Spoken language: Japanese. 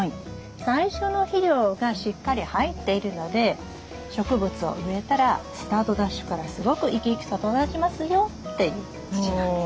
最初の肥料がしっかり入っているので植物を植えたらスタートダッシュからすごく生き生きと育ちますよという土なんです。